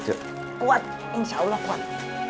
insya allah kuat